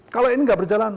kalau ini tidak berjalan